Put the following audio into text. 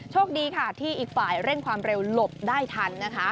โชคดีค่ะที่อีกฝ่ายเร่งความเร็วหลบได้ทันนะคะ